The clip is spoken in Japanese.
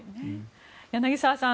柳澤さん